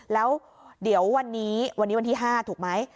แล้วเดี๋ยววันนี้วันนี้วันที่๕ถูกไหม